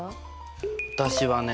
私はね